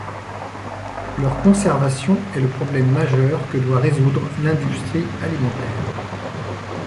Leur conservation est le problème majeur que doit résoudre l’industrie alimentaire.